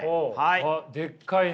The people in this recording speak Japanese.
あっでっかいの。